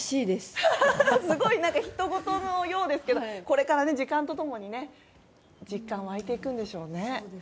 ひとごとのようですけどこれから時間と共に実感が湧いていくんでしょうね。